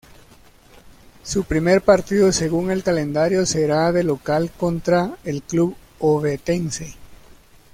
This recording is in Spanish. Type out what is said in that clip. Su primer partido según el calendario será de local contra el club Ovetense.